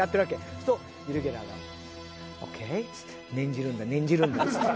そうするとユリ・ゲラーがオッケーっつって念じるんだ念じるんだっつって。